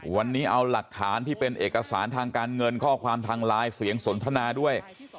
วันนี้เอาหลักฐานที่เป็นเอกสารทางการเงินข้อความทางไลน์เสียงสนทนาด้วย